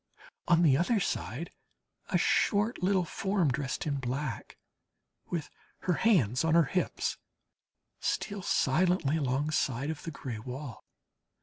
On the other side, a short little form, dressed in black, with her hands on her hips, steals silently alongside of the gray wall.